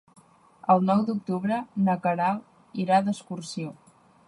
El nou d'octubre na Queralt irà d'excursió.